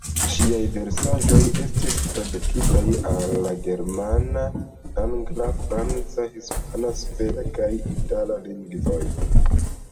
Ŝiaj versaĵoj estis tradukitaj al la germana, angla, franca, hispana, sveda kaj itala lingvoj.